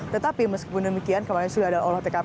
tetapi meskipun demikian kemarin sudah ada olah tkp